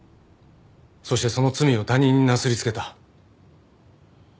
そしてその罪を他人になすりつけた。